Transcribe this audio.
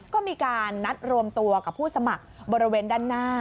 ก็มีการนัดรวมตัวกับผู้สมัครบริเวณด้านหน้า